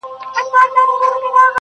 o تا ولي په مسکا کي قهر وخندوئ اور ته.